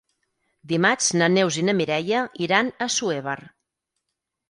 Dimarts na Neus i na Mireia iran a Assuévar.